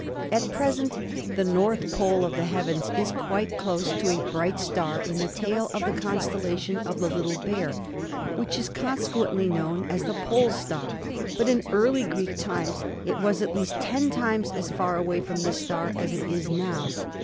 "At present the north pole of the heavens is quite close to a bright star in the tail of the constellation of the Little Bear, which is consequently known as the pole star, but in early Greek times it was at least ten times as far away from this star as it is now.